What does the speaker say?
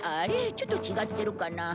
ちょっと違ってるかな？